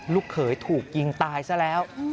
ลูกเขยถูกยิงตายซะแล้ว